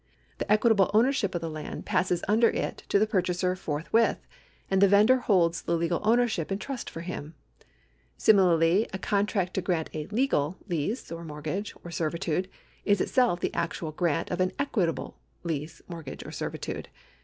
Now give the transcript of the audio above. The equit able owTiership of the land passes under it to the purchaser forthwith, and the vendor holds the legal ownership in trust for him. Similarly a con tract to grant a legal lease or mortgage or servitude is itself the actual grant of an equitable lease, mortgage, or servitude.